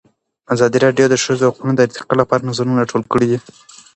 ازادي راډیو د د ښځو حقونه د ارتقا لپاره نظرونه راټول کړي.